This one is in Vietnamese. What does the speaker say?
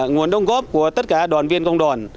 nguồn đồng góp của tất cả đoàn viên công đoàn